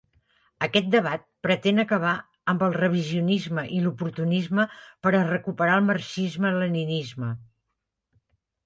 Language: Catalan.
Aquest debat pretén acabar amb el revisionisme i l'oportunisme per a recuperar el marxisme-leninisme.